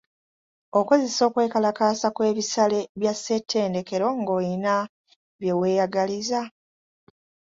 Okozesa okwekalakaasa kw'ebisale bya ssetendekero ng'olina bye weyagaliza?